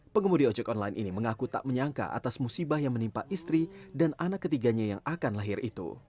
pengemudi ojek online ini mengaku tak menyangka atas musibah yang menimpa istri dan anak ketiganya yang akan lahir itu